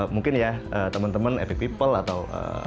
mungkin ya teman teman epic people atau